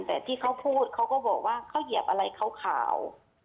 แต่ที่เขาพูดเขาก็บอกว่าเขาเหยียบอะไรขาว